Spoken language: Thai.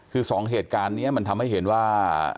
คือสองเหตุการณ์นี้มันทำให้เห็นว่า